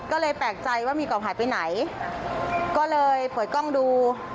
ก็เลยแปลกใจว่ามีกรอบหายไปไหนก็เลยเปิดกล้องดู